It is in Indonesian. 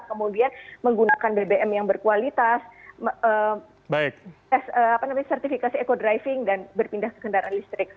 kemudian menggunakan bbm yang berkualitas sertifikasi eco driving dan berpindah ke kendaraan listrik